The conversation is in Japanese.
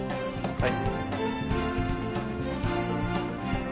はい。